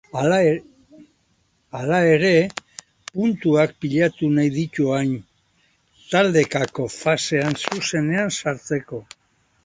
Hala ere, puntuak pilatu nahi ditu orain, taldekako fasean zuzenean sartzeko.